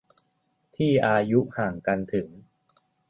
ที่อายุห่างกันถึง